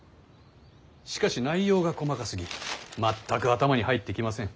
しかし内容が細かすぎ全く頭に入ってきません。